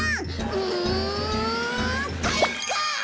うんかいか！